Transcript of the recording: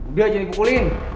udah jangan dikukulin